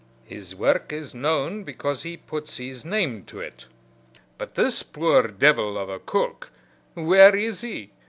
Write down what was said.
His work is known because he puts his name to it; but this poor devil of a cook where is he?